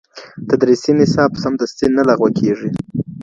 تدریسي نصاب سمدستي نه لغوه کیږي.